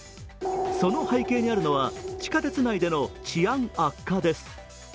その背景にあるのは地下鉄内での治安悪化です。